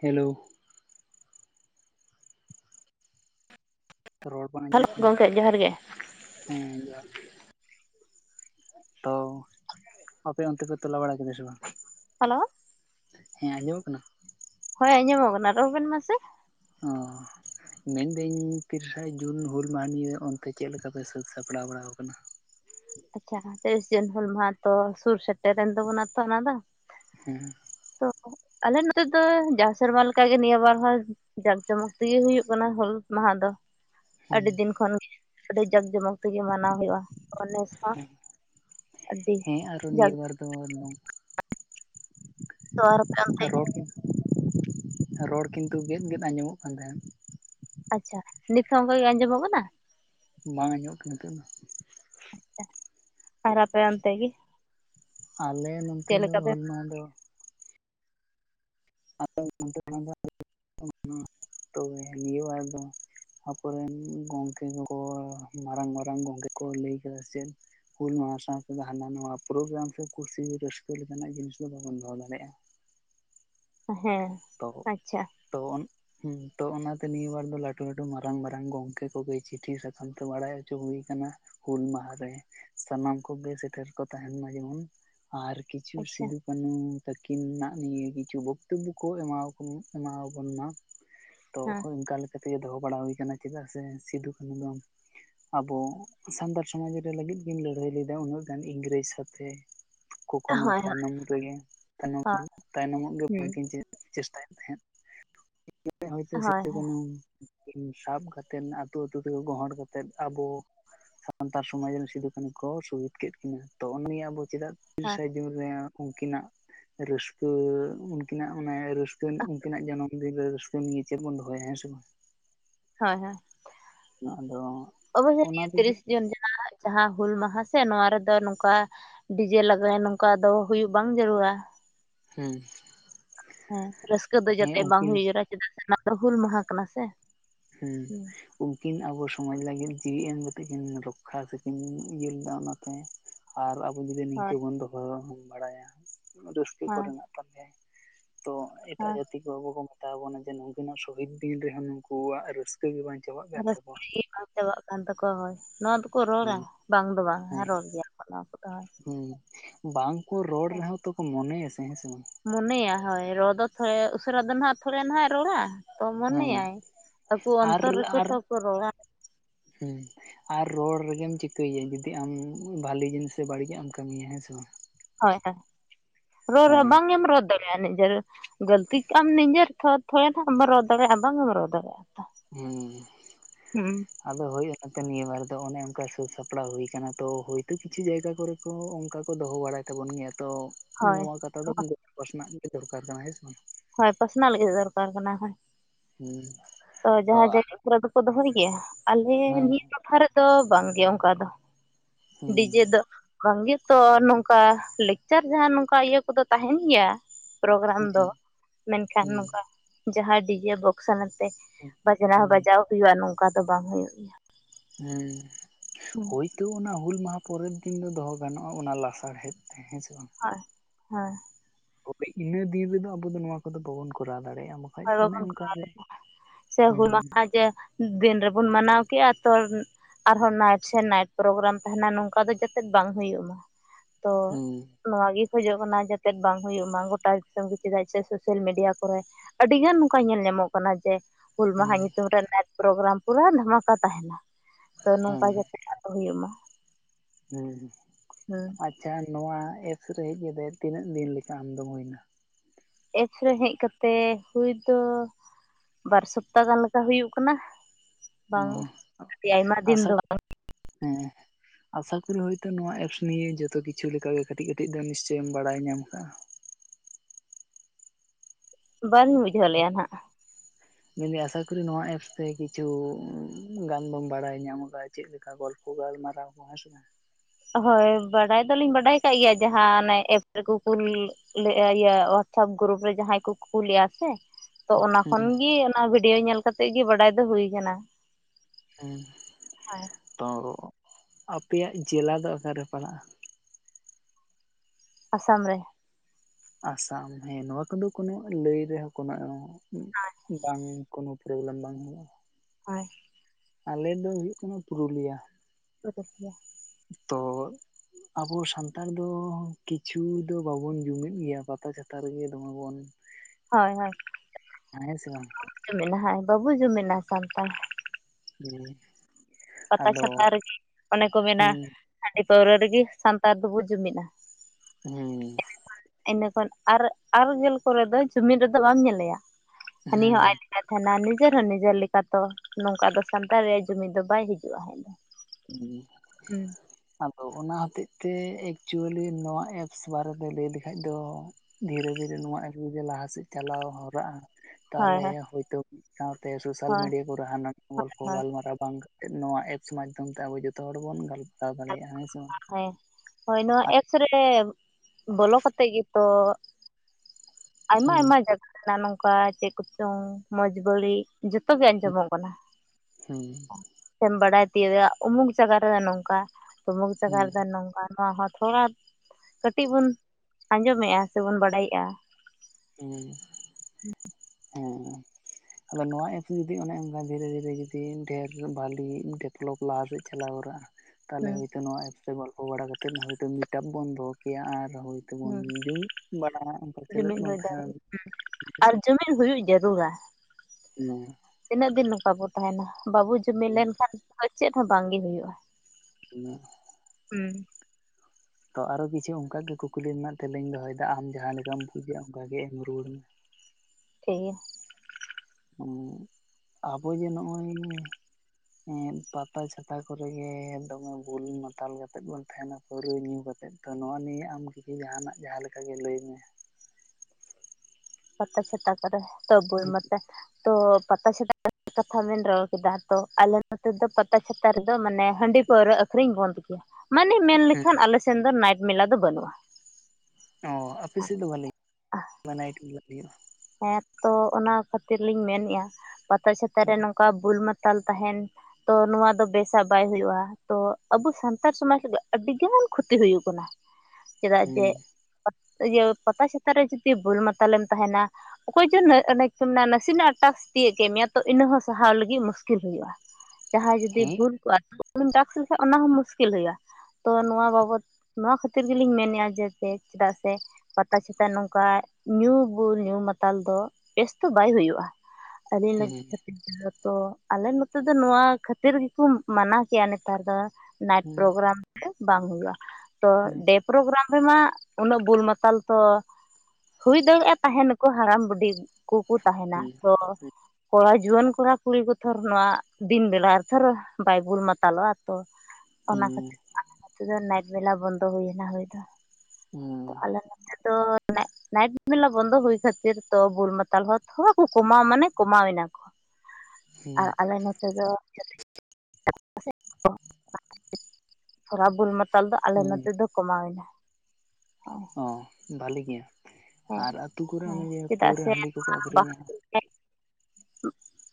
Hello ᱨᱚᱲ ᱵᱟᱝ hello ᱟᱡᱚᱜ ᱠᱟᱱᱟ ᱜᱚᱝᱠᱮ ᱡᱚᱦᱟᱨ ᱜᱮ ᱦᱮᱸ ᱡᱚᱦᱟᱨᱼᱼ ᱛᱚ ᱟᱯᱮ ᱚᱱᱛᱮ ᱯᱮ ᱛᱚᱞᱟ ᱵᱟᱲᱟ ᱠᱮᱫᱟ ᱥᱮ ᱵᱟᱝ ᱦᱮᱞᱳ ᱦᱮᱸ ᱟᱸᱡᱚᱢᱚᱜ ᱠᱟᱱᱟ ᱦᱳᱭ ᱟᱸᱡᱚᱢᱚᱜ ᱠᱟᱱᱟ ᱨᱚᱲᱵᱮᱱ ᱢᱟᱥᱮ? ᱦᱚᱸ ᱢᱮᱱᱫᱟᱹᱧ ᱛᱤᱨᱤᱥᱮ ᱡᱩᱱ ᱦᱩᱞ ᱢᱟᱦᱟ ᱱᱤᱭᱮ ᱚᱱᱛᱮ ᱪᱮᱫ ᱞᱮᱠᱟᱯᱮ ᱥᱟᱹᱛ ᱥᱟᱯᱲᱟᱣ ᱵᱟᱲᱟᱣ ᱟᱠᱟᱫᱟ? ᱟᱪᱪᱷᱟ ᱛᱮᱭᱤᱥ ᱡᱟᱱᱦᱩᱞ ᱢᱟᱦᱟ ᱛᱚ ᱥᱩᱨ ᱥᱮᱴᱮᱨᱮ ᱮᱱ ᱛᱟᱵᱚᱱᱟᱛᱚ ᱚᱱᱟ ᱫᱚ᱾ ᱦᱩᱸ ᱛᱚ ᱟᱞᱮ ᱱᱚᱛᱮ ᱫᱚ ᱡᱟᱣ ᱥᱮᱨᱢᱟ ᱞᱮᱠᱟᱜᱮ ᱱᱤᱭᱟᱹ ᱵᱟᱨ ᱦᱚᱸ᱾ ᱡᱟᱠ ᱡᱚᱢᱚᱠ ᱛᱮᱜᱮ ᱦᱩᱭᱩᱜ ᱠᱟᱱᱟ ᱦᱞᱩ ᱢᱟᱦᱟ ᱫᱚ᱾ ᱦᱮᱸ ᱟᱹᱰᱤ ᱫᱤᱱ ᱠᱷᱚᱱ ᱟᱹᱰᱤ ᱡᱟᱠ ᱡᱚᱢᱚᱠ ᱛᱮᱜᱮ ᱢᱟᱱᱟᱣ ᱦᱩᱭᱩᱜᱼᱟ ᱱᱮᱥ ᱦᱚᱸ, ᱟᱹᱰᱤ ᱡᱟᱜᱽᱼᱼ ᱛᱚ ᱛᱚ ᱟᱨ ᱟᱯᱮ ᱚᱱᱛᱮ [inaudible] ᱜᱮ ᱨᱚᱲ ᱨᱚᱲ ᱠᱤᱱᱛᱩ ᱜᱮᱫᱼ ᱜᱮᱫ ᱟᱸᱡᱚᱢᱚᱜ ᱠᱟᱱ ᱛᱟᱦᱮᱸᱫ? ᱟᱪᱪᱷᱟ ᱱᱤᱛ ᱦᱚᱸ ᱚᱱᱠᱟ ᱜᱮ ᱟᱸᱡᱚᱢᱚᱜ ᱠᱟᱱᱟ? ᱵᱟᱝ ᱟᱸᱡᱚᱢᱚᱜ ᱠᱟᱱᱟ ᱱᱤᱛᱚᱜ ᱫᱚ᱾ ᱟᱪᱪᱷᱟ ᱟᱨ ᱟᱯᱮ ᱚᱱᱛᱮ ᱜᱮᱼᱼ ᱟᱞᱮ ᱱᱚᱱᱚᱛᱮ ᱫᱚ ᱦᱩᱞ ᱢᱟᱦᱟ ᱫᱚᱼᱼ ᱛᱚᱵᱮ [unintelligible] ᱱᱤᱭᱟᱹ ᱵᱟᱨ ᱫᱚ᱾ ᱟᱠᱚᱨᱮᱱ ᱜᱚᱝᱠᱮ ᱠᱚ ᱢᱟᱨᱟᱝ ᱢᱟᱨᱟᱝ ᱜᱚᱢᱠᱮ ᱠᱚ ᱞᱟᱹᱭ ᱠᱟᱫᱟ ᱥᱮ? ᱦᱩᱞ ᱢᱟᱦᱟ ᱥᱟᱶᱛᱮᱫᱚ ᱦᱟᱱᱟ ᱱᱟᱣᱟ ᱯᱨᱳᱜᱨᱟᱢ ᱥᱮ ᱠᱩᱥᱤ ᱨᱟᱹᱥᱠᱟᱹ ᱞᱮᱠᱟᱱᱟᱜ ᱡᱤᱱᱤᱥ ᱫᱚ ᱵᱟᱵᱚᱱ ᱫᱚᱦᱚ ᱫᱟᱲᱮᱭᱟᱜᱼᱟ᱾ ᱦᱮᱸ ᱛᱚ ᱟᱪᱪᱷᱟ ᱛᱚ ᱦᱮᱸ ᱛᱚ ᱚᱱᱟᱛᱮ ᱱᱤᱭᱟᱹ ᱵᱟᱨ ᱫᱚ ᱞᱟᱹᱴᱩ ᱞᱟᱹᱴᱩ ᱢᱟᱨᱟᱝ ᱢᱟᱨᱟᱝ ᱜᱚᱝᱠᱮ ᱠᱚᱜᱮ ᱪᱤᱴᱷᱤ ᱥᱟᱠᱟᱢ ᱛᱮ ᱵᱟᱲᱟᱭ ᱦᱚᱪᱚ ᱦᱩᱭ ᱟᱠᱟᱱᱟ᱾ ᱦᱩᱞ ᱢᱟᱦᱟᱸᱨᱮ ᱥᱟᱱᱟᱢ ᱠᱚᱜᱮ ᱥᱮᱴᱮᱨ ᱠᱚ ᱛᱟᱦᱮᱱ ᱢᱟ ᱡᱮᱢᱚᱱ᱾ ᱟᱨ ᱠᱤᱪᱷᱩ ᱟᱪᱪᱷᱟ ᱥᱤᱫᱩ ᱠᱟᱹᱱᱩ ᱛᱟᱹᱠᱤᱱᱟᱜ ᱱᱤᱭᱮ ᱠᱤᱪᱷᱩ ᱵᱚᱠᱛᱚᱵᱵᱚ᱾ ᱠᱚ ᱮᱢᱟ ᱮᱢᱟᱵᱚᱱ ᱢᱟ ᱛᱚ ᱦᱮᱸ ᱚᱱᱠᱟ ᱞᱮᱠᱟ᱾ ᱠᱟᱛᱮᱜ ᱜᱮ ᱫᱚᱦᱚ ᱵᱟᱲᱟ ᱦᱩᱭ ᱠᱟᱱᱟ ᱪᱮᱫᱟᱜ ᱥᱮ ᱥᱤᱫᱩ ᱠᱟᱹᱱᱩ ᱫᱚ, ᱟᱵᱚ ᱥᱟᱱᱛᱟᱲ ᱥᱚᱢᱟᱡᱽ ᱨᱮ ᱞᱟᱹᱜᱤᱫ ᱜᱤᱱ ᱞᱟᱹᱲᱦᱟᱹᱭ ᱞᱮᱫᱟ ᱩᱱᱟᱹᱜ ᱜᱟᱱ ᱤᱝᱨᱮᱡᱽ ᱥᱟᱛᱷᱮ᱾ ᱠᱚᱠᱷᱱᱳ ᱦᱳᱭ ᱦᱳᱭ ᱛᱟᱭᱱᱚᱢ ᱨᱮᱜᱮ ᱛᱟᱭᱱᱚᱢ ᱦᱳᱭ ᱛᱟᱭᱱᱚᱢᱚᱜ ᱜᱮ ᱦᱩᱸ ᱵᱟᱝᱠᱤᱱ᱾ ᱪᱮᱥᱴᱟᱭᱮᱫ ᱛᱟᱦᱮᱸᱫ ᱦᱚᱭᱛᱳ ᱦᱳᱭ ᱥᱤᱫᱩ ᱦᱳᱭ ᱠᱟᱹᱱᱩ, ᱥᱟᱵ ᱠᱟᱛᱮᱱ ᱟᱹᱛᱩᱳ ᱟᱹᱛᱩᱳ ᱛᱮᱠᱚ ᱜᱚᱦᱚᱲ ᱠᱟᱛᱮᱫ ᱟᱵᱚ, ᱥᱟᱱᱛᱟᱲ ᱥᱚᱢᱟᱡᱽ ᱨᱮᱱ ᱥᱤᱫᱩ ᱠᱟᱹᱱᱩ ᱠᱚ ᱥᱩᱦᱤᱫ ᱠᱮᱫ ᱠᱤᱱᱟᱹ ᱛᱚ ᱱᱤᱭᱟᱹ ᱟᱵᱚ, ᱪᱮᱫᱟᱜ ᱛᱤᱨᱤᱥᱮ ᱡᱩᱱ ᱨᱮ ᱩᱱᱠᱤᱱᱟᱜ ᱨᱟᱹᱥᱠᱟᱹ ᱩᱱᱠᱤᱱᱟᱜ, ᱢᱟᱱᱮ ᱨᱟᱹᱥᱠᱟᱹ ᱩᱱᱠᱤᱱᱟᱜ ᱡᱟᱱᱟᱚᱢ ᱫᱤᱱ ᱨᱮ ᱨᱟᱹᱥᱠᱟᱹ ᱱᱤᱭᱮ ᱪᱮᱫ ᱵᱚᱱ ᱫᱚᱦᱚᱭᱟ ᱦᱮᱸ ᱥᱮ ᱵᱟᱝ᱾ ᱦᱳᱭ ᱦᱳᱭ ᱟᱫᱚ ᱚᱵᱚ ᱵᱚᱱ ᱚᱱᱟ ᱠᱮᱭᱟ ᱛᱮᱜᱮ ᱛᱤᱨᱤᱥᱮ ᱡᱩᱱ ᱡᱟᱸᱦᱟ, ᱡᱟᱦᱟᱸ ᱦᱩᱞ ᱢᱟᱦᱟᱸ ᱥᱮ ᱱᱚᱣᱟ ᱨᱮᱫᱚ ᱱᱚᱝᱠᱟ ᱰᱤᱡᱮ ᱞᱟᱜᱲᱮ ᱱᱚᱝᱠᱟ ᱫᱚ ᱦᱩᱭᱩᱜ ᱵᱟᱝ ᱡᱟᱨᱩᱲᱟ᱾ ᱦᱮᱸ, ᱦᱮᱸ ᱨᱟᱹᱥᱠᱟᱹ ᱫᱚ ᱦᱮᱸ ᱡᱟᱛᱮ ᱵᱟᱝ ᱩᱱᱠᱤᱱ ᱦᱩᱭᱩᱜ ᱡᱟᱨᱩᱲᱟ ᱪᱮᱫᱟᱜ ᱥᱮ ᱚᱱᱟ ᱫᱚ ᱦᱩᱞ ᱢᱟᱦᱟᱸ ᱠᱟᱱᱟ ᱥᱮ᱾ ᱦᱮᱸ᱾ ᱦᱩᱸ ᱩᱱᱠᱤᱱ ᱟᱵᱚ ᱥᱚᱢᱟᱡᱽ ᱞᱟᱹᱜᱤᱫ ᱡᱤᱣᱤ ᱮᱢ ᱠᱟᱛᱮ ᱠᱤᱱ ᱨᱚᱠᱷᱟ ᱥᱮᱠᱤᱱ ᱤᱭᱟᱹ ᱞᱮᱫᱟ ᱚᱱᱟᱛᱮ, ᱟᱨ ᱟᱵᱩ ᱡᱩᱫᱤ ᱱᱤᱝᱠᱟᱹ ᱦᱳᱭ ᱵᱚᱱ ᱫᱚᱦᱚ ᱵᱟᱲᱟᱭᱟ ᱨᱟᱹᱥᱠᱟᱹ ᱦᱮᱸ ᱠᱚᱨᱮᱱᱟᱜ᱾ ᱛᱟᱞᱮ ᱛᱚ ᱮᱴᱟᱜ ᱦᱮᱸ ᱡᱟᱹᱛᱤ ᱠᱚ ᱟᱵᱚ ᱠᱚ ᱢᱮᱛᱟᱣ ᱵᱚᱱᱟ ᱡᱮ ᱱᱩᱠᱤᱱᱟᱜ ᱥᱚᱦᱤᱫ ᱫᱤᱱ ᱨᱮᱦᱚᱸ, ᱠᱩᱣᱟᱜ ᱨᱟᱹᱥᱠᱟᱹ᱾ ᱨᱟᱹᱥᱠᱟᱹ ᱜᱮ ᱵᱟᱝ ᱪᱟᱵᱟᱜ, ᱠᱟᱱ ᱛᱟᱠᱚᱣᱟ ᱨᱟᱹᱥᱠᱟᱹ ᱜᱮ ᱵᱟᱝ ᱪᱟᱵᱟᱜ ᱠᱟᱱ ᱛᱟᱠᱚᱣᱟ ᱦᱳᱭ ᱱᱚᱣᱟ ᱫᱚ, ᱠᱚ ᱨᱚᱲᱟ ᱦᱮᱸ ᱵᱟᱝ ᱫᱚ ᱵᱟᱝᱟ ᱦᱮᱸ ᱨᱚᱲ ᱜᱮᱭᱟ ᱠᱚ ᱱᱚᱣᱟ ᱠᱚᱫᱚ᱾ ᱦᱮᱸ ᱵᱟᱝᱠᱚ ᱨᱚᱲ ᱨᱮᱦᱚᱸ ᱛᱚᱠᱚ ᱢᱚᱱᱮᱭᱟ ᱥᱮ ᱦᱮᱸ ᱥᱮ ᱵᱟᱝ᱾ ᱢᱚᱱᱮᱭᱟ ᱦᱳᱭ ᱨᱚᱲ ᱫᱚ ᱛᱷᱚᱲᱮ ᱩᱥᱟᱹᱨᱟ ᱫᱚ ᱱᱟᱦᱟᱜ ᱛᱷᱚᱲᱮ ᱱᱟᱦᱟᱜ ᱨᱚᱲᱟ, ᱛᱚ ᱦᱮᱸ ᱢᱚᱱᱮᱭᱟᱭ ᱟᱠᱩ ᱟᱨ ᱚᱱᱛᱚᱨ ᱨᱮᱠᱚ ᱟᱨ ᱛᱷᱚ ᱠᱚ ᱨᱚᱲᱟ᱾ ᱦᱮᱸ, ᱟᱨ ᱨᱚᱲ ᱨᱮᱜᱮᱢ ᱪᱤᱠᱟᱹᱭᱮᱭᱟ ᱡᱩᱫᱤ ᱟᱢ ᱵᱟᱹᱞᱤ ᱡᱤᱱᱤᱥ ᱥᱮ ᱵᱟᱹᱲᱤᱡᱟᱜ ᱮᱢ ᱠᱟᱹᱢᱤᱭᱟ ᱦᱮᱸ ᱥᱮ ᱵᱟᱝ᱾ ᱦᱳᱭ ᱦᱳᱭ ᱦᱮᱸ ᱨᱚᱲ ᱵᱟᱝ ᱮᱢ ᱨᱚᱲ ᱫᱟᱲᱮᱭᱟᱜ, ᱟ ᱱᱤᱡᱮᱨ ᱜᱟᱹᱞᱛᱤ ᱠᱟᱜ ᱟᱢ ᱱᱤᱡᱮᱨ ᱛᱚ ᱛᱷᱚᱲᱟ ᱦᱚᱸ ᱱᱟᱜ ᱮᱢ ᱨᱚᱲ ᱫᱟᱲᱮᱭᱟᱜᱼᱟ ᱵᱟᱝᱮᱢ ᱨᱚᱲ ᱫᱟᱲᱮᱭᱟᱜᱼᱟ᱾ ᱛᱚ ᱦᱮᱸ, ᱦᱩᱸ ᱟᱫᱚ ᱦᱳᱭ ᱦᱩᱭ ᱟᱠᱟᱱᱛᱮ ᱱᱤᱭᱟᱹ ᱵᱟᱨ ᱫᱚ ᱚᱱᱮ ᱚᱱᱠᱟ ᱥᱟᱹᱛ ᱥᱟᱯᱲᱟᱣ ᱦᱩᱭ ᱠᱟᱱᱟ ᱛᱚ ᱦᱳᱭᱛᱳ ᱠᱤᱪᱷᱩ ᱡᱟᱭᱜᱟ ᱠᱚᱨᱮ, ᱠᱚ ᱚᱱᱠᱟ ᱠᱚ ᱫᱚᱦᱚ ᱵᱟᱲᱟᱭ ᱛᱟᱵᱚᱱ ᱜᱮᱭᱟ ᱛᱚ᱾ ᱦᱳᱭ ᱱᱚᱣᱟ ᱠᱟᱛᱷᱟ ᱫᱚ ᱯᱟᱥᱱᱟᱜ ᱜᱮ ᱫᱚᱨᱠᱟᱨ ᱠᱟᱱᱟ ᱦᱮᱸ ᱥᱮ ᱵᱟᱝ᱾ ᱦᱳᱭ ᱯᱟᱥᱱᱟᱜ ᱞᱟᱹᱜᱤᱫ ᱫᱚᱨᱠᱟᱨ ᱠᱟᱱᱟ ᱦᱳᱭ᱾ ᱦᱮᱸ᱾ ᱛᱚ ᱡᱟᱦᱟᱸ ᱡᱟᱭᱜᱟ ᱠᱚᱨᱮ ᱫᱚᱠᱚ ᱫᱚᱦᱚᱭ ᱜᱮᱭᱟ ᱟᱞᱮ ᱦᱮᱸ ᱱᱤᱭᱟᱸ, ᱛᱷᱟ ᱨᱮᱫᱚ ᱵᱟᱝ ᱜᱮ ᱚᱱᱠᱟ ᱫᱚ ᱦᱩᱸ ᱰᱤᱡᱮ ᱫᱚ᱾ ᱜᱚᱝᱜᱮ ᱛᱚ ᱱᱚᱝᱠᱟ ᱞᱮᱠᱪᱟᱨ ᱡᱟᱦᱟᱸ ᱱᱚᱝᱠᱟ ᱤᱭᱟᱹ ᱠᱚᱫᱚ ᱛᱟᱦᱮᱱ ᱜᱮᱭᱟ᱾ ᱯᱨᱳᱜᱨᱟᱢ ᱦᱩᱸ ᱫᱚ ᱢᱮᱱᱠᱷᱟᱱ ᱦᱩᱸ ᱱᱚᱝᱠᱟ ᱡᱟᱦᱟᱸᱭ ᱰᱤᱡᱮ ᱵᱚᱠᱥ ᱟᱱᱮᱛᱮ᱾ ᱵᱟᱡᱱᱟ ᱦᱚᱸ ᱦᱩᱸ ᱵᱟᱡᱟᱣ ᱦᱩᱭᱩᱜᱼᱟ ᱱᱚᱝᱠᱟ ᱫᱚ ᱵᱟᱝ ᱦᱩᱭᱩᱜ ᱜᱮᱭᱟ᱾ ᱦᱮᱸ ᱦᱩᱸ ᱦᱳᱭ, ᱛᱳ ᱚᱱᱟ ᱦᱩᱞ ᱢᱟᱦᱟᱸ ᱯᱚᱨᱮᱨ ᱫᱤᱱ ᱫᱚ ᱫᱚᱦᱚ ᱜᱟᱱᱚᱜᱼᱟ᱾ ᱚᱱᱟ ᱞᱟᱥᱟᱲᱦᱮᱫ ᱛᱮ ᱦᱮᱸᱥᱮ ᱵᱟᱝ᱾ ᱦᱚᱭ ᱦᱮᱸ᱾ ᱦᱳᱭ ᱤᱱᱟᱹ ᱫᱤᱱ ᱨᱮᱫᱚ ᱟᱵᱚ ᱫᱚ ᱱᱚᱣᱟ ᱠᱚᱫᱚ ᱵᱟᱵᱚᱱ ᱠᱚᱨᱟᱣ ᱫᱟᱲᱮᱭᱟᱜᱼᱟ᱾ ᱵᱟᱠᱷᱟᱡ ᱦᱚᱲ ᱚᱱᱮ ᱵᱟᱵᱚᱱ ᱠᱚᱨᱟᱣ ᱚᱱᱠᱟᱜᱮ ᱞᱮᱼᱟ ᱥᱮ ᱦᱩᱞ ᱦᱩᱸ ᱢᱟᱦᱟᱸ ᱡᱮ, ᱫᱤᱱ ᱨᱮᱵᱚᱱ ᱢᱟᱱᱟᱣ ᱠᱮᱜᱼᱟ ᱛᱚ᱾ ᱟᱨᱦᱚᱸ ᱱᱟᱭᱤᱴ ᱥᱮ ᱱᱟᱭᱤᱴ ᱯᱨᱳᱜᱨᱟᱢ ᱛᱟᱦᱮᱱᱟ ᱱᱚᱝᱠᱟ ᱫᱚ ᱡᱟᱛᱮ ᱵᱟᱝ ᱦᱩᱭᱩᱜ ᱢᱟ ᱛᱚ, ᱦᱩᱸ ᱱᱚᱣᱟᱜᱮ ᱠᱷᱚᱡᱚᱜ ᱠᱟᱱᱟ ᱡᱟᱛᱮ ᱵᱟᱝ ᱦᱩᱭᱩᱜ ᱢᱟ ᱜᱚᱴᱟ ᱫᱤᱥᱚᱢ ᱜᱮ ᱪᱮᱫᱟᱜ ᱥᱮ ᱥᱳᱥᱟᱞ ᱢᱤᱰᱤᱭᱟ ᱠᱚᱨᱮ᱾ ᱟᱹᱰᱤ ᱜᱟᱱ ᱱᱚᱝᱠᱟ ᱧᱮᱞ ᱧᱟᱢᱚᱜ ᱠᱟᱱᱟ ᱡᱮ ᱦᱩᱞ ᱢᱟᱦᱟ ᱦᱩᱸ ᱸᱧᱩᱛᱩᱢ ᱨᱮ ᱱᱟᱴ ᱯᱨᱳᱜᱨᱟᱢ ᱯᱩᱨᱟᱹ ᱫᱷᱟᱢᱟᱠᱟ ᱛᱟᱦᱮᱱᱟ ᱾ ᱛᱚ ᱦᱩᱸ ᱱᱚᱝᱠᱟ ᱡᱟᱛᱮ ᱟᱞᱚ ᱦᱩᱭᱩᱜ ᱢᱟ ᱦᱮᱸ ᱦᱩᱸ ᱱᱚᱣᱟ ᱮᱯᱥ ᱨᱮ ᱦᱮᱡ ᱠᱟᱛᱮᱫ ᱛᱤᱱᱟᱹᱜ ᱫᱤᱱ ᱞᱮᱠᱟ ᱟᱢ ᱫᱚᱢ ᱦᱩᱭ ᱱᱟ᱾ ᱮᱯᱥ ᱨᱮ ᱦᱮᱡ ᱠᱟᱛᱮᱜ ᱦᱩᱭ ᱫᱚ ᱵᱟᱨ ᱥᱚᱯᱛᱟ ᱜᱟᱱ ᱞᱮᱠᱟ ᱦᱩᱭᱩᱜ ᱠᱟᱱᱟ ᱾ᱵᱟᱝ ᱟᱹᱰᱤ ᱟᱭᱢᱟ ᱫᱤᱱ ᱟᱥᱟ ᱫᱚ ᱵᱟᱝ ᱦᱮᱸ ᱟᱥᱟ ᱠᱚ ᱨᱮ ᱦᱚᱭᱛᱚ ᱱᱚᱣᱟ ᱮᱯᱥ ᱱᱤ ᱭᱮ ᱡᱷᱚᱛᱚ ᱠᱤᱪᱷᱩ ᱞᱮᱠᱟ ᱜᱮ ᱠᱟᱹᱴᱤᱡ ᱠᱟᱹᱴᱤᱡ ᱫᱚ ᱱᱤᱥ ᱪᱚᱭᱮᱢ ᱵᱟᱲᱟᱭ ᱧᱟᱢ ᱟᱠᱟᱜᱼᱟ᱾ ᱵᱟᱹᱞ ᱵᱩᱡᱷᱟᱹᱣ ᱞᱮᱜ ᱦᱟᱜ ᱢᱮᱱ ᱫᱟᱹᱧ ᱟᱥᱟ ᱠᱚᱨᱤ ᱱᱚᱣᱟ ᱮᱯᱥ ᱛᱮ ᱠᱤᱪᱷᱩ ᱜᱟᱱ ᱵᱚᱱ ᱵᱟᱲᱟᱭ ᱧᱟᱢ ᱟᱠᱟᱫᱟ ᱪᱮᱫ ᱞᱮᱠᱟ ᱜᱚᱞ ᱯᱚ ᱯᱷᱩ ᱜᱟᱞ ᱢᱟᱨᱟᱣ ᱠᱚ [unintelligible] ᱦᱳᱭ ᱵᱟᱰᱟᱭ ᱫᱚ ᱞᱤᱧ ᱵᱟᱰᱟᱭ ᱟᱠᱟᱜ ᱜᱮ ᱭᱟ ᱡᱟᱦᱟᱸ ᱚᱱᱮ ᱮᱯ ᱨᱮ ᱜᱮ ᱠᱩᱞ ᱟᱹᱭᱤᱭᱟᱹ ᱳᱣᱟᱴᱥᱮᱯ ᱜᱨᱩᱯ ᱨᱮ ᱡᱟᱦᱟᱸᱭ ᱠᱚ ᱠᱩᱞᱼᱟ ᱥᱮ ᱛᱚ ᱚᱱᱟ ᱠᱷᱚᱱ ᱦᱩᱸ ᱜᱤ ᱚᱱᱟ ᱵᱷᱤ ᱰᱭᱳ ᱧᱮᱞ ᱠᱟᱛᱮᱜ ᱜᱮ ᱵᱟᱰᱟᱭ ᱫᱚ ᱦᱩᱭ ᱠᱟᱱᱟ᱾ ᱦᱮᱸ ᱦᱳᱭ ᱛᱚ ᱟᱯᱮ ᱭᱟᱜ ᱡᱮᱞᱟ ᱫᱚ ᱚᱠᱟ ᱨᱮ ᱯᱟᱲᱟᱜᱼᱟ᱾ ᱟᱥᱟᱢ ᱨᱮ ᱟᱥᱟᱢ ᱦᱮᱸ ᱱᱚᱣᱟ ᱠᱚ ᱫᱚ ᱠᱚ ᱱᱚ ᱞᱟᱹᱭ ᱨᱮ ᱦᱚᱸ ᱠᱚ ᱱᱚ ᱵᱟᱝ ᱠᱳᱱᱳ ᱯᱚᱨᱳᱵᱽ ᱞᱮᱢ ᱵᱟᱝ ᱦᱳᱭᱳᱜᱼᱟ᱾ ᱦᱳᱭ ᱟᱞᱮ ᱫᱚ ᱦᱩᱭᱩᱜ ᱠᱟᱱᱟ ᱯᱩᱨᱩ ᱞᱤᱭᱟ᱾ ᱠᱚᱫᱮᱥᱭᱟ ᱛᱚ ᱟᱵᱚ ᱥᱟᱱᱛᱟᱲ ᱫᱚ ᱠᱤᱪᱷᱩ ᱫᱚ ᱵᱟ ᱵᱚᱱ ᱡᱩᱢᱤᱫ ᱜᱮᱭᱟ ᱾ᱯᱟᱛᱟ ᱪᱷᱟᱛᱟ ᱨᱮ ᱜᱮ ᱫᱚ ᱢᱮ ᱵᱚᱱ [inaudible] ᱦᱳᱭ ᱦᱳᱭ ᱦᱮᱸ ᱥᱮ ᱵᱟᱝ ᱡᱮᱫ ᱱᱟ ᱦᱚᱭ ᱵᱟᱹᱵᱩ ᱡᱩᱢᱮᱫ ᱱᱟ ᱥᱟᱱᱛᱟᱲ ᱦᱮᱸ ᱯᱟᱛᱟ ᱪᱷᱟ ᱟᱫᱚ ᱛᱟ ᱨᱮ ᱜᱮ ᱚᱱᱮ ᱠᱚ ᱢᱮ ᱱᱟ ᱦᱩᱸ ᱦᱟᱹᱰᱤ ᱯᱟᱹᱣᱨᱟᱹ ᱨᱮ ᱜᱮ ᱥᱟᱱ ᱛᱟᱲ ᱫᱚ ᱵᱚ ᱡᱩᱢᱤᱫᱼᱟ᱾ ᱦᱩᱸ ᱤᱱᱟᱹ ᱠᱷᱚᱱ ᱟᱨ ᱟᱨ ᱜᱮᱞ ᱠᱚᱨᱮ ᱫᱚ ᱡᱩᱢᱤᱫ ᱨᱮ ᱫᱚ ᱵᱟᱢ ᱧᱮᱞᱮ ᱭᱟ ᱦᱟᱹᱱᱤ ᱦᱩᱸ ᱦᱚᱸ ᱟᱡ ᱛᱟᱦᱮ ᱱᱟ ᱱᱤᱡᱮᱨ ᱦᱚᱸ ᱱᱤᱡᱮᱨ ᱞᱮᱠᱟ ᱛᱮ ᱱᱚᱝ ᱠᱟ ᱫᱚ ᱥᱟᱱᱛᱟᱲ ᱨᱮᱭᱟᱜ ᱡᱩᱢᱤᱫ ᱫᱚ ᱵᱟᱭ ᱦᱤᱡᱩᱜᱼᱟ ᱦᱚᱜ ᱫᱚ ᱦᱩᱸ ᱦᱩᱸ ᱛᱚ ᱚᱱᱟ ᱦᱚᱛᱮᱡ ᱛᱮ ᱮᱠᱪᱩᱣᱩᱞᱤ ᱱᱚᱣᱟ ᱮᱯᱥ ᱵᱟᱨᱮ ᱛᱮ ᱞᱟᱹᱭ ᱞᱮ ᱠᱷᱟᱡ ᱫᱚ ᱫᱷᱤ ᱨᱮ ᱫᱷᱤ ᱨᱮ ᱱᱚᱣᱟ ᱮᱯᱥ ᱡᱩᱫᱤ ᱞᱟᱦᱟ ᱥᱮᱫ ᱪᱟᱞᱟᱣ ᱦᱚᱨᱟᱜᱼᱟ ᱛᱟᱞᱮ ᱦᱳᱭ ᱛᱚ ᱥᱟᱶ ᱛᱮ ᱥᱳᱥᱟᱞ ᱦᱳᱭ ᱢᱤᱰᱤᱭᱟ ᱠᱚ ᱨᱮ ᱦᱟᱱᱟ ᱜᱚᱞᱯᱚ ᱦᱳᱭ ᱜᱟᱞ ᱢᱟᱨᱟᱣ ᱵᱟᱝ ᱱᱚᱣᱟ ᱮᱯᱥ ᱢᱟᱫᱽ ᱫᱷᱚᱢ ᱛᱮ ᱟᱵᱚ ᱡᱷᱚᱛᱚ ᱦᱚᱲ ᱵᱚᱱ ᱜᱟᱞ ᱢᱟᱨᱟᱣ ᱫᱟᱲᱮ ᱭᱟᱜᱼᱟ ᱦᱮᱸ ᱥᱮ ᱵᱟᱝ ᱦᱮᱸ ᱦᱳᱭ ᱱᱚᱣᱟ ᱟᱨ ᱮᱯᱥ ᱨᱮ ᱵᱚ ᱞᱚ ᱠᱟᱛᱮ ᱜᱮ ᱛᱚ ᱟᱭᱢᱟ ᱦᱩᱸ ᱟᱭᱢᱟ ᱡᱟᱭ ᱜᱟ ᱢᱮᱱᱟᱜᱼᱟ ᱱᱚᱝ ᱠᱟ ᱪᱮᱫ ᱠᱚ ᱪᱚᱝ ᱢᱚᱡᱽ ᱵᱟᱹᱲᱤᱡ ᱡᱷᱚᱛᱚ ᱜᱮ ᱟᱸᱡᱚ ᱢᱚᱜ ᱠᱟᱱᱟ ᱦᱮᱸ ᱥᱮᱢ ᱵᱟᱰᱟᱭ ᱛᱤᱭᱳᱜ-ᱟ ᱩᱢᱩᱠ ᱡᱟᱭ ᱜᱟ ᱨᱮ ᱫᱚ ᱱᱚᱝ ᱠᱟ ᱩᱢᱩᱠ ᱡᱟᱭᱜᱟ ᱨᱮ ᱦᱩᱸ ᱫᱚ ᱱᱚᱝᱠᱟ ᱱᱚᱣᱟ ᱦᱚᱸ ᱛᱷᱚᱲᱟ ᱠᱟᱹᱴᱤᱡ ᱵᱚᱱ ᱟᱸᱡᱚ ᱢᱮᱫᱼᱟ ᱥᱮ ᱵᱚᱱ ᱵᱟᱰᱟᱭ ᱮᱜᱼᱟ ᱩᱸ ᱦᱩᱸ ᱦᱮᱸ ᱟᱫᱚ ᱱᱚᱣᱟ ᱮᱯᱥ ᱡᱩᱫᱤ ᱚᱱᱮ ᱚᱱᱠᱟ ᱮᱱ ᱠᱷᱟᱱ ᱫᱷᱤ ᱨᱮ ᱫᱷᱤ ᱨᱮ ᱡᱩᱫᱤ ᱰᱷᱮᱨ ᱵᱷᱟᱞᱤ ᱰᱮᱵᱷᱽ ᱞᱚᱯ ᱞᱟᱦᱟ ᱥᱮᱫ ᱪᱟᱞᱟᱣ ᱦᱚ ᱨᱟᱜᱼᱟ ᱛᱟᱦᱞᱮ ᱦᱩᱸ ᱦᱳᱭ ᱛᱚ ᱱᱚᱣᱟ ᱮᱯᱥ ᱨᱮ ᱜᱚᱞ ᱯᱚ ᱵᱟᱲᱟ ᱠᱟᱛᱮᱫ ᱢᱤᱴᱟᱯ ᱵᱚᱱ ᱫᱚ ᱦᱚ ᱠᱮᱭᱟ ᱟᱨ ᱛᱮ ᱵᱚᱱ ᱦᱩᱸ ᱡᱩᱢᱤᱫ ᱵᱟᱲᱟᱜᱼᱟ ᱚᱱᱠᱟ ᱥᱮᱞᱮᱫ ᱵᱚᱱ ᱛᱟᱦᱮᱱᱟ ᱤᱱ ᱦᱩᱭᱩᱜ ᱡᱟᱹᱨᱩᱲᱟ ᱱᱚᱣᱟ ᱛᱤᱱᱟᱹᱜ ᱫᱤᱱ ᱱᱚᱝ ᱠᱟ ᱵᱚᱱ ᱛᱟᱦᱮ ᱱᱟ ᱵᱟᱵᱚ ᱡᱩᱢᱤᱫ ᱞᱮᱱ ᱠᱷᱟᱱ ᱪᱮᱫ ᱦᱚᱸ ᱵᱟᱝ ᱜᱮ ᱦᱩᱭᱩᱜᱼᱟ ᱦᱩᱸ ᱦᱩᱸ ᱛᱚ ᱟᱨᱚ ᱠᱤᱪᱷᱩ ᱚᱱᱠᱟ ᱜᱮ ᱠᱩᱠᱞᱤ ᱨᱮᱱᱟᱜ ᱛᱮᱞᱟᱹᱧ ᱫᱚᱦᱚ ᱭᱮᱫᱟ ᱟᱢ ᱡᱟᱦᱟᱸ ᱞᱮᱠᱟᱢ ᱵᱩᱡᱮᱫᱼᱟ ᱚᱱᱠᱟ ᱜᱮ ᱮᱢ ᱨᱩᱭᱟᱹᱲ ᱢᱮ᱾ ᱴᱷᱤᱠ ᱜᱮᱭᱟ᱾ ᱟᱵᱚ ᱡᱮ ᱱᱚᱜᱼᱚᱭ ᱮᱸᱫ ᱯᱟᱛᱟ ᱪᱷᱟᱛᱟ ᱠᱚᱨᱮ ᱜᱮ ᱫᱚᱢᱮ ᱵᱩᱞ ᱢᱟᱛᱟᱞ ᱠᱟᱛᱮᱜ ᱵᱚᱱ ᱛᱟᱦᱮᱱᱟ ᱯᱟᱹᱣᱨᱟᱹ ᱧᱩ ᱠᱟᱛᱮᱫ ᱛᱚ ᱱᱚᱣᱟ ᱱᱤᱭᱟᱹ ᱜᱮ ᱟᱢ ᱠᱤᱪᱷᱩ ᱡᱟᱦᱟᱱᱟᱜ ᱡᱟᱦᱟᱸ ᱞᱮᱠᱟ ᱜᱮ ᱞᱟᱹᱭ ᱢᱮ᱾ ᱯᱟᱛᱟ ᱪᱷᱟᱛᱟ ᱠᱚᱨᱮ ᱛᱚ ᱵᱩᱞ ᱢᱟᱛᱟᱞ ᱠᱟᱛᱮ ᱛᱚ ᱯᱟᱛᱟ ᱪᱷᱟᱛᱟ ᱠᱟᱛᱷᱟ ᱵᱤᱱ ᱨᱚᱲ ᱠᱮᱫᱟ ᱛᱚ ᱟᱞᱮ ᱱᱚᱛᱮ ᱫᱚ ᱯᱟᱛᱟ ᱪᱷᱟᱛᱟ ᱨᱮ ᱫᱚ ᱢᱟᱱᱮ ᱦᱟᱺᱰᱤ ᱯᱟᱹᱣᱨᱟᱹ ᱟᱹᱠᱷᱨᱤᱧ ᱵᱚᱱᱫ ᱜᱮᱭᱟ᱾ ᱢᱟᱱᱮ ᱢᱮᱱ ᱞᱮᱠᱷᱟᱱ ᱟᱞᱮ ᱥᱮᱱ ᱫᱚ ᱱᱟᱭᱤᱴ ᱢᱮᱞᱟ ᱫᱚ ᱵᱟᱹᱱᱩᱜᱼᱟ᱾ ᱚᱻ ᱟᱯᱮ ᱥᱮᱫ ᱫᱚ ᱵᱷᱟᱹᱞᱤ [inaudible] ᱦᱩᱭᱩᱜᱼᱟ ᱦᱮᱸ ᱛᱚ ᱚᱱᱟ ᱠᱷᱟᱹᱛᱤᱨ ᱞᱤᱧ ᱢᱮᱱᱮᱫᱼᱟ, ᱯᱟᱛᱟ ᱪᱷᱟᱛᱟ ᱨᱮ ᱦᱩᱸ ᱱᱚᱝᱠᱟ ᱵᱩᱞ ᱢᱟᱛᱟᱞ ᱛᱟᱦᱮᱱ ᱛᱚ ᱱᱚᱣᱟ ᱫᱚ ᱵᱮᱥᱟᱜ ᱵᱟᱭ ᱦᱩᱭᱩᱜᱼᱟ ᱛᱚ ᱟᱵᱚ ᱥᱟᱱᱛᱟᱲ ᱥᱚᱢᱟᱡᱽ ᱨᱮᱫᱚ ᱟᱹᱰᱤ ᱜᱟᱱ ᱠᱷᱚᱛᱤ ᱦᱩᱭᱩᱜ ᱠᱟᱱᱟ᱾ [inaudible] ᱪᱮᱫᱟᱜ ᱡᱮ ᱤᱭᱟᱹ ᱯᱟᱛᱟ ᱪᱷᱟᱛᱟ ᱨᱮ ᱡᱩᱫᱤ ᱵᱩᱞ ᱢᱟᱛᱟᱞᱮᱢ ᱛᱟᱦᱮᱱᱟ ᱚᱠᱚᱭ ᱪᱚ ᱱᱟᱥᱮᱱᱟᱜ ᱴᱟᱡ ᱛᱤᱭᱳᱜ ᱠᱮᱫ ᱢᱮᱭᱟ ᱛᱚ ᱤᱱᱟᱹ ᱦᱚᱸ ᱥᱟᱦᱟᱣ ᱞᱟᱹᱜᱤᱫ ᱢᱩᱥᱠᱤᱞ ᱦᱩᱭᱩᱜᱼᱟ᱾ ᱡᱟᱦᱟᱸᱭ ᱡᱩᱫᱤ ᱦᱮᱸ ᱵᱩᱞ ᱠᱚᱜᱼᱟ ᱰᱟᱠᱥ ᱞᱮᱠᱷᱟᱱ ᱚᱱᱟ ᱦᱚᱸ ᱢᱩᱥᱠᱤᱞ ᱦᱩᱭᱩᱜᱼᱟ᱾ ᱛᱚ ᱱᱚᱣᱟ ᱵᱟᱵᱚᱛ ᱱᱚᱣᱟ ᱠᱷᱟᱹᱛᱤᱨ ᱜᱮ ᱞᱤᱧ ᱢᱮᱱᱮᱫᱼᱟ ᱡᱮ ᱪᱮᱫᱟᱜ ᱥᱮ ᱯᱟᱛᱟ ᱪᱷᱟᱛᱟ ᱱᱚᱝᱠᱟ ᱧᱩ ᱵᱩᱞ ᱧᱩ ᱢᱟᱛᱟᱞ ᱫᱚ ᱵᱮᱥ ᱫᱚ ᱵᱟᱭ ᱦᱩᱭᱩᱜᱼᱟ ᱟᱹᱞᱤᱧ ᱦᱩᱸ ᱞᱟᱹᱜᱤᱫ ᱠᱷᱟᱹᱛ ᱡᱚᱛᱚ ᱟᱞᱮ ᱱᱚᱛᱮ ᱫᱚ ᱱᱚᱣᱟ ᱠᱷᱟᱹᱛᱤᱨ ᱜᱮᱠᱚ ᱢᱟᱱᱟ ᱠᱮᱜᱼᱟ ᱱᱮᱛᱟᱨ ᱫᱚ, ᱱᱟᱭᱤᱴ ᱯᱨᱳᱜᱨᱟᱢ ᱫᱚ ᱵᱟᱝ ᱦᱩᱭᱩᱜᱼᱟ ᱛᱚ ᱦᱩᱸ ᱦᱩᱸ ᱰᱮ ᱯᱨᱳᱜᱨᱟᱢ ᱨᱮᱢᱟ ᱩᱱᱟᱹᱜ ᱵᱩᱞ ᱢᱟᱛᱟᱞ ᱛᱚ ᱦᱩᱭ ᱫᱟᱲᱮᱭᱟᱜᱼᱟ ᱛᱟᱦᱮᱱ ᱦᱟᱲᱟᱢ ᱵᱩᱰᱷᱤ ᱠᱚᱠᱚ ᱛᱟᱦᱮᱱᱟ ᱦᱩᱸ ᱛᱚ ᱠᱚᱲᱟ ᱡᱩᱣᱟᱹᱱ ᱠᱚᱲᱟ ᱠᱩᱲᱤ ᱠᱚ ᱛᱷᱚᱨ ᱱᱚᱣᱟ ᱫᱤᱱ ᱵᱮᱲᱟ ᱛᱷᱚᱨ ᱵᱟᱭ ᱵᱩᱞ ᱢᱟᱛᱟᱞᱚᱜᱼᱟ ᱛᱚ [inaudible] ᱚᱱᱟ ᱠᱷᱟᱹᱛᱤᱨ ᱟᱞᱮ ᱱᱚᱛᱮ ᱫᱚ ᱱᱟᱭᱤᱴ ᱢᱮᱞᱟ ᱵᱚᱱᱫᱚ ᱦᱩᱭ ᱮᱱᱟ ᱦᱚᱭ ᱫᱚ ᱦᱩᱸ ᱟᱞᱮ ᱱᱚᱛᱮ ᱫᱚ ᱱᱟᱭᱤᱴ ᱢᱮᱞᱟ ᱵᱚᱱᱫᱚ ᱦᱩᱭ ᱠᱷᱟᱹᱛᱤᱨ ᱛᱚ ᱵᱩᱞ ᱢᱟᱛᱟᱞ ᱦᱚᱲ ᱛᱷᱚᱲᱟ ᱠᱚ ᱠᱚᱢᱟᱣ ᱢᱟᱱᱮ ᱠᱚᱢᱟᱣᱮᱱᱟ ᱠᱚ᱾ ᱦᱩᱸ ᱟᱨ ᱟᱞᱮ ᱱᱚᱛᱮ ᱫᱚ, [unintelligible] ᱛᱷᱚᱨᱟ ᱵᱩᱞ ᱢᱟᱛᱟᱞ ᱫᱚ ᱟᱞᱮ ᱦᱩᱸ ᱱᱚᱛᱮ ᱫᱚ, ᱠᱚᱢᱟᱣ ᱮᱱᱟ ᱚ ᱵᱷᱟᱹᱞᱤ ᱜᱮᱭᱟ ᱦᱮᱸ ᱟᱨ ᱟᱹᱛᱩ ᱠᱚᱨᱮ ᱦᱮᱸ ᱚᱱᱮ ᱡᱮ ᱪᱮᱫᱟᱜ ᱯᱟᱹᱣᱨᱟᱹ ᱥᱮ ᱦᱟ. ᱰᱤ ᱠᱚᱠᱚ ᱟᱠᱷᱨᱤᱧᱟ? [inaudible]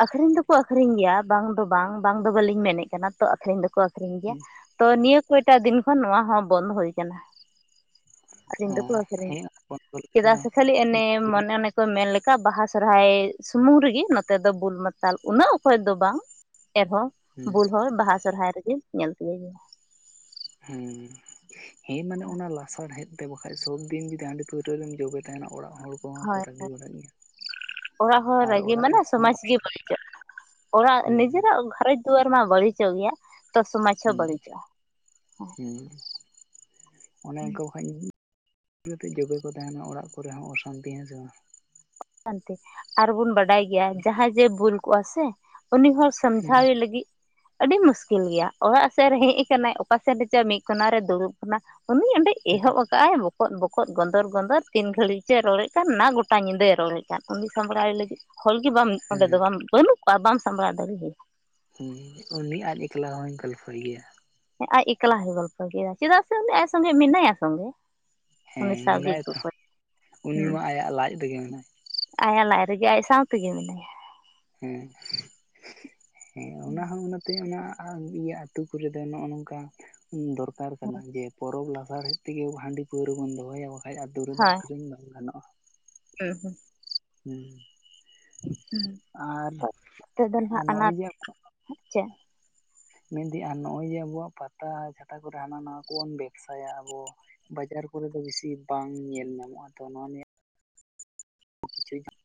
ᱟᱠᱠᱷᱨᱤᱧ ᱫᱚᱠᱚ ᱟᱠᱷᱨᱤᱧ ᱜᱮᱭᱟ ᱵᱟᱝ ᱫᱚ ᱵᱟᱝ ᱵᱟᱝ ᱫᱚ ᱵᱟᱹᱞᱤᱧ ᱢᱮᱱ ᱮᱫ ᱠᱟᱱᱟ ᱛᱚ ᱟᱠᱷᱨᱤᱧ ᱫᱚᱠᱚᱼᱼ ᱟᱠᱠᱷᱨᱤᱧ ᱜᱮᱭᱟ, ᱛᱚ ᱱᱤᱭᱟᱹ ᱠᱚ ᱮᱴᱟᱜ ᱫᱤᱱ ᱠᱷᱚᱱ ᱱᱚᱣᱟ ᱦᱚᱸ ᱵᱚᱱᱫ ᱦᱩᱭ ᱟᱠᱟᱱᱟ ᱾ ᱟᱠᱷᱨᱤᱧ ᱚ ᱫᱚᱠᱚ ᱟᱠᱷᱨᱤᱧ ᱦᱮᱸ ᱵᱚᱱᱫᱚ ᱞᱟᱹᱜᱤᱫ ᱪᱮᱫᱟᱜ ᱫᱚ ᱥᱮ ᱠᱷᱟᱹᱞᱤ ᱦᱩᱸ ᱮᱱᱮᱢ ᱢᱚᱱᱮᱼᱼ ᱠᱚ ᱢᱮᱱ ᱞᱮᱠᱟ ᱵᱟᱦᱟ ᱥᱚᱨᱦᱟᱭ ᱥᱩᱢᱩᱝ ᱨᱮᱜᱮ ᱱᱚᱛᱮ ᱫᱚ ᱵᱩᱞ ᱢᱟᱛᱟᱞ ᱩᱱᱟᱹᱜ ᱚᱠᱚᱡ ᱫᱚ ᱵᱟᱝᱼᱼ ᱮᱱᱦᱚᱸ ᱵᱩᱞ ᱦᱚᱲ ᱵᱟᱦᱟ ᱥᱚᱨᱦᱟᱭ ᱨᱮᱜᱮ ᱧᱮᱞ ᱛᱤᱭᱟᱹᱜᱟ᱾ ᱦᱩ ᱦᱮᱸ ᱢᱟᱱᱮ ᱚᱱᱟ ᱞᱟᱥᱟᱲᱦᱮᱫ ᱛᱮ ᱵᱟᱠᱷᱟᱡ ᱥᱚᱵ ᱫᱤᱱ ᱡᱩᱫᱤ ᱦᱟᱹᱰᱤ ᱯᱟᱹᱣᱨᱟᱹ ᱨᱮᱢ ᱡᱚᱵᱮ ᱛᱟᱦᱮᱱᱟ ᱚᱲᱟᱜ ᱦᱚᱲ ᱠᱚᱦᱚᱸ ᱠᱚ ᱦᱳᱭ ᱨᱟᱹᱜᱤ ᱵᱟᱲᱟᱜ ᱜᱮᱭᱟ᱾ ᱚᱲᱟᱜ ᱦᱚᱲ ᱟᱨ ᱨᱟᱹᱜᱤ ᱚᱲᱟᱜ ᱢᱟᱱᱮ ᱨᱮᱦᱚᱸ ᱥᱚᱢᱟᱡᱽ ᱜᱮ ᱵᱟᱹᱲᱤᱡᱚᱜ ᱚᱲᱟᱜ ᱦᱩᱸ ᱱᱤᱡᱮᱨᱼᱟᱜ ᱜᱷᱟᱨᱚᱸᱡᱽ ᱫᱩᱣᱟᱨ ᱢᱟ ᱵᱟᱹᱲᱤ ᱡᱚᱜ ᱜᱮᱭᱟ ᱛᱚ ᱥᱚᱢᱟᱡ ᱦᱚ ᱵᱟᱹᱲᱤᱡᱚᱜᱼᱟ ᱾ ᱦᱩ ᱚᱱᱮ ᱤᱱᱠᱟᱹ [unintelligible] [unintelligible] ᱡᱚᱵᱮ ᱠᱚ ᱛᱟᱦᱮᱱᱟ ᱚᱲᱟᱜ ᱠᱚᱨᱮ ᱦᱚᱸ ᱚᱥᱟᱱᱛᱤ ᱦᱮᱸᱥᱮ ᱵᱟᱝ? [unintelligible] ᱟᱨ ᱵᱚᱱ ᱵᱟᱰᱟᱭ ᱜᱮᱭᱟ ᱡᱟᱦᱟᱸᱭ ᱡᱮ ᱵᱷᱩᱞ ᱠᱚᱜᱼᱟ ᱥᱮ ᱩᱱᱤ ᱦᱚᱲᱼᱼ ᱦᱩᱸ ᱥᱚᱢᱡᱷᱟᱣᱮ ᱞᱟᱹᱜᱤᱫ᱾ ᱟᱹᱰᱤ ᱢᱩᱥᱠᱤᱞ ᱜᱮᱭᱟ ᱚᱲᱟᱜ ᱥᱮᱫ ᱨᱮ ᱦᱮᱡ ᱟᱠᱟᱱᱟᱭ ᱚᱠᱟᱥᱮᱫ ᱨᱮᱪᱚ ᱢᱤᱫ ᱠᱚᱱᱟᱨᱮ ᱫᱩᱲᱩᱵ ᱟᱠᱟᱱᱟᱭ᱾ [unintelligible] ᱦᱩᱸ ᱮᱦᱚᱵ ᱟᱠᱟᱫᱼ ᱟᱭ ᱵᱚᱠᱚᱫ ᱵᱚᱠᱚᱫ ᱜᱚᱸᱫᱚᱨ ᱜᱚᱸᱫᱚᱨ ᱛᱤᱱ ᱜᱷᱟᱹᱲᱤᱡ ᱪᱚᱭ ᱨᱚᱲᱮᱫ ᱠᱟᱱᱟ ᱚᱱᱟ ᱜᱚᱴᱟ ᱧᱤᱫᱟᱹ [unintelligible] ᱩᱱᱤ ᱥᱟᱢᱵᱲᱟᱭᱮ ᱞᱟᱹᱜᱤᱫ ᱦᱚᱲ ᱜᱮ ᱵᱟᱢ [inaudible] ᱚᱸᱰᱮ ᱫᱚ ᱦᱩᱸ ᱵᱟᱢ ᱵᱟᱹᱱᱩᱜ ᱠᱚᱣᱟ ᱵᱟᱢ ᱥᱟᱢᱵᱲᱟᱣ ᱫᱟᱲᱮ ᱣᱟᱭᱟ᱾ ᱦᱩᱸ ᱩᱱᱤ ᱟᱡ ᱮᱠᱞᱟ ᱦᱚᱧ ᱜᱚᱞᱯᱷᱚᱭ ᱜᱮᱭᱟ᱾ ᱦᱮ ᱟᱡ ᱮᱠᱞᱟ ᱦᱚᱸᱭ ᱜᱚᱞᱯᱷᱚᱭ ᱜᱮᱭᱟ ᱪᱮᱫᱟᱜ ᱥᱮ ᱩᱱᱤ ᱟᱡ ᱥᱚᱸᱜᱮ ᱢᱮᱱᱟᱭᱟ ᱥᱚᱸᱜᱮ ᱾ ᱦᱮᱸ ᱢᱮᱱᱟᱭᱟ ᱛᱚ ᱩᱱᱤ ᱦᱩᱸ ᱢᱟ ᱟᱭᱟᱜ ᱞᱟᱡ ᱨᱮᱜᱮ᱾ ᱟᱭᱟᱜ ᱞᱟᱡ ᱨᱮᱜᱮ ᱟᱡ ᱥᱟᱶ ᱛᱮᱜᱮ ᱢᱮᱱᱟᱭᱟ᱾ ᱦᱮ ᱦᱮ ᱚᱱᱟ ᱦᱚᱸ ᱛᱮ ᱚᱱᱟ ᱤᱭᱟᱹ ᱟᱹᱛᱩ ᱠᱚᱨᱮ ᱫᱚ ᱱᱚᱜᱼᱚ ᱱᱚᱝᱠᱟ ᱫᱚᱨᱠᱟᱨ ᱠᱟᱱᱟ ᱡᱮ ᱯᱚᱨᱚᱵᱽ ᱞᱟᱦᱟ ᱨᱮᱼᱼ ᱛᱮᱜᱮ ᱦᱟᱹᱰᱤ ᱯᱟᱹᱣᱨᱟᱹ ᱵᱚᱱ ᱫᱚᱦᱚᱼᱭᱟ ᱵᱟᱠᱟᱡ ᱟᱛᱩ ᱨᱮᱫᱚ ᱟᱹᱠᱷᱨᱤᱧ ᱵᱟᱝ ᱜᱟᱱᱚᱜᱼᱟ᱾ ᱦᱮ ᱦᱮ ᱦᱩ ᱦᱩᱸ ᱱᱤᱛᱚᱜ ᱫᱚ ᱟᱨ ᱱᱟᱦᱟᱜ ᱟᱱᱟᱴ ᱱᱚᱜᱼᱚᱭᱼᱼ ᱪᱮᱫ ᱢᱮᱱᱫᱟᱹᱧ ᱟᱨ ᱱᱚᱜ-ᱚᱭ ᱡᱮ ᱟᱵᱚᱣᱟᱜ ᱯᱟᱛᱟ ᱪᱷᱟᱛᱟ ᱠᱚᱨᱮ ᱦᱟᱱᱟ ᱱᱟᱣᱟ ᱠᱚᱵᱚᱱ ᱵᱮᱵ ᱥᱟᱭᱟ ᱟᱵᱚᱼᱼ ᱵᱟᱡᱟᱨ ᱠᱚᱨᱮ ᱫᱚ ᱵᱤᱥᱤ ᱵᱟᱝ ᱧᱮᱞ ᱧᱟᱢᱚᱜᱼᱟ ᱛᱚ ᱱᱚᱣᱟ, [unintelligible]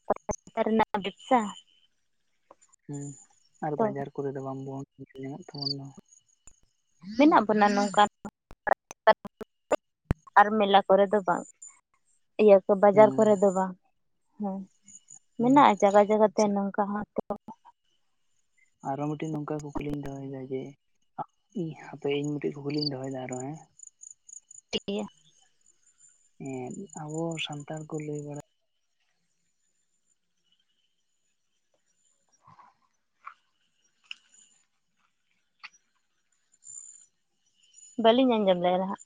[unintelligible] ᱦᱩ ᱟᱨ ᱛᱚ ᱵᱟᱡᱟᱨ ᱠᱚᱨᱮ ᱫᱚ ᱵᱟᱝᱵᱚᱱ ᱧᱚᱜ ᱛᱟᱵᱚᱱ ᱫᱚ [unintelligible] ᱢᱮᱱᱟᱜ ᱵᱚᱱᱟ ᱱᱚᱝᱠᱟᱱᱼᱼ [unintelligible] ᱟᱨ ᱢᱮᱞᱟ ᱠᱚᱨᱮ ᱫᱚ ᱵᱟᱝ [unintelligible] ᱵᱟᱡᱟᱨ ᱦᱮᱸ ᱠᱚᱨᱮ ᱫᱚ ᱵᱟᱝ ᱦᱩ ᱦᱮᱸ ᱢᱮᱱᱟᱜᱼᱟ᱾ ᱡᱟᱜᱟ ᱡᱟᱜᱟ ᱛᱮ ᱟᱪᱪᱷᱟ ᱱᱚᱝᱠᱟ ᱦᱚᱸ ᱛᱚ ᱟᱨᱚ ᱢᱤᱫᱴᱮᱝ ᱱᱚᱝᱠᱟᱱ ᱠᱩᱠᱞᱤᱧ ᱫᱚᱦᱚᱭ ᱫᱟ ᱡᱮ ᱦᱟᱯᱮ ᱤᱧ ᱢᱤᱫᱴᱮᱝ ᱠᱩᱠᱞᱤᱧ ᱫᱚᱦᱚᱭᱮᱫᱟ ᱟᱨᱚ ᱦᱮᱸ᱾ ᱴᱷᱤᱠ ᱜᱮᱭᱟ ᱾ ᱦᱮᱸ ᱟᱵᱚ ᱥᱟᱱᱛᱟᱲ ᱠᱚ ᱞᱟᱹᱭ ᱵᱟᱲᱟᱼᱼ ᱵᱟᱹᱞᱤᱧ ᱟᱸᱡᱚᱢ ᱞᱮᱫᱟ ᱦᱟᱜ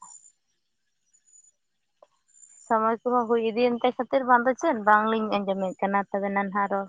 ᱥᱚᱢᱚᱭ ᱠᱚᱦᱚᱸ ᱦᱩᱭ ᱤᱫᱤ ᱮᱱᱛᱮ ᱠᱷᱟᱹᱛᱤᱨ ᱵᱟᱝᱫᱚ ᱪᱮᱫ ᱵᱟᱝᱞᱤᱧ ᱟᱸᱡᱚᱢᱮᱫ ᱠᱟᱱᱟ ᱛᱚᱵᱮ ᱱᱟᱱᱟᱦᱟ ᱨᱚᱲ?